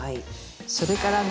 それからね